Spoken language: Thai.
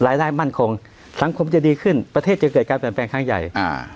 รายได้มั่นคงสังคมจะดีขึ้นประเทศจะเกิดการแปลงข้างใหญ่อ่า